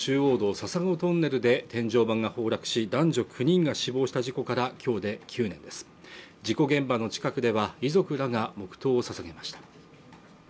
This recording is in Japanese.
笹子トンネルで天井板が崩落し男女９人が死亡した事故からきょうで９年です事故現場の近くでは遺族らが黙とうをささげました